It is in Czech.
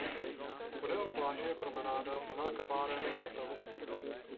Podél pláže je promenáda plná kaváren a hotelů.